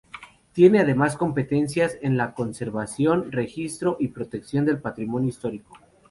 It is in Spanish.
Tiene además competencias en la conservación, registro y protección del patrimonio histórico.